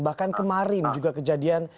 bahkan kemarin juga kejadian